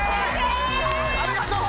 ありがとう！